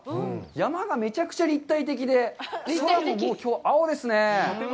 山がめちゃくちゃ立体的で、空もきょう、青ですね。